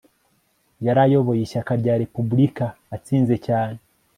yari ayoboye ishyaka rya republika atsinze cyane